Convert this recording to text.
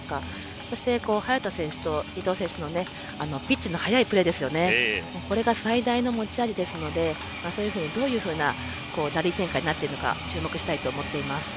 そして早田選手、伊藤選手のピッチの速いプレーこれが最大の持ち味ですのでどういうふうなラリー展開になっていくか、注目したいと思います。